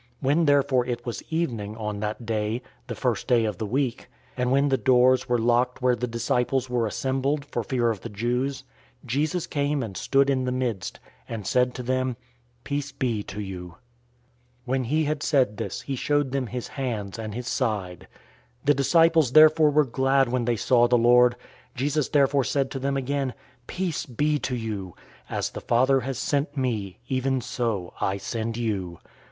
020:019 When therefore it was evening, on that day, the first day of the week, and when the doors were locked where the disciples were assembled, for fear of the Jews, Jesus came and stood in the midst, and said to them, "Peace be to you." 020:020 When he had said this, he showed them his hands and his side. The disciples therefore were glad when they saw the Lord. 020:021 Jesus therefore said to them again, "Peace be to you. As the Father has sent me, even so I send you."